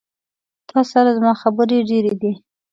تا سره زما خبري ډيري دي